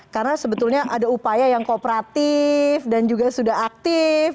karena sebetulnya ada upaya yang kooperatif dan juga sudah aktif